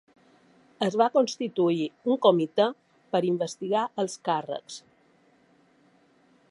Es va constituir un comitè per investigar els càrrecs.